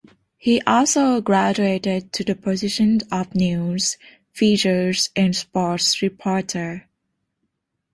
He also graduated to the positions of news, features and sports reporter.